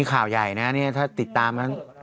อีกข่าวใหญ่นแต่ถ้าติดตาม